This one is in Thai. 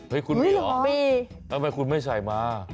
ให้คุณมีเหรอมีทำไมคุณไม่ใส่มา